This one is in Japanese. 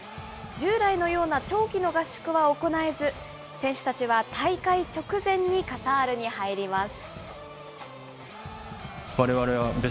従来のような長期の合宿は行えず、選手たちは大会直前にカタールに入ります。